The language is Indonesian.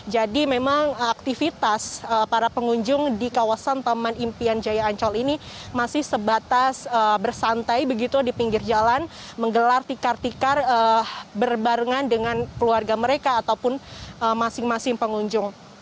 jadi memang aktivitas para pengunjung di kawasan taman impian jaya ancol ini masih sebatas bersantai begitu di pinggir jalan menggelar tikar tikar berbarengan dengan keluarga mereka ataupun masing masing pengunjung